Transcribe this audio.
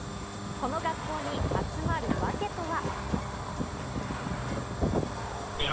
この学校に集まるわけとは？